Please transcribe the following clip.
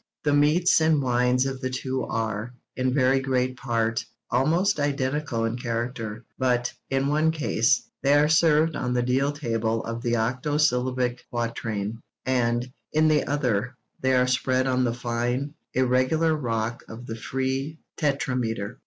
The meats and wines of the two are, in very great part, almost identical in character; but, in one case, they are served on the deal table of the octo syllabic quatrain, and, in the other, they are spread on the fine, irregular rock of the free tetrameter.